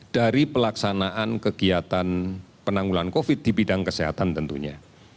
dari pelaksanaan kegiatan penanggulan covid di bidang kesehatan tentunya